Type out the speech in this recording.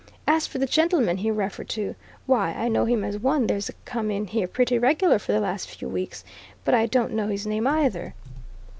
As for the gentleman he referred to, why, I know him as one that's come in here pretty regular for the last few weeks, but I don't know his name, either."